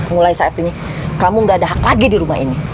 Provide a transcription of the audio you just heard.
mulai saat ini kamu gak ada hak lagi di rumah ini